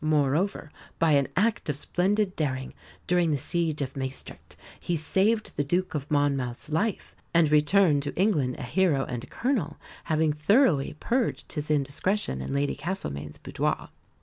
Moreover, by an act of splendid daring, during the siege of Maestricht he saved the Duke of Monmouth's life; and returned to England a hero and a colonel, having thoroughly purged his indiscretion in Lady Castlemaine's boudoir.